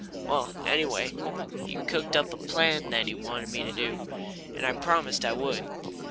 Well, anyway, he'd cooked up a plan that he wanted me to do, and I promised I would.